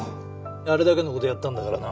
あれだけのことやったんだからな。